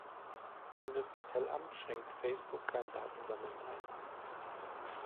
Bundeskartellamt schränkt Facebook beim Datensammeln ein.